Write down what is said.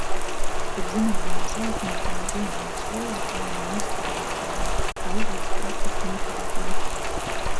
Starp zināmajām zvaigznēm tā ir viena no vislielākajām un nestabilākajām, tā uzvedas praktiski neparedzami.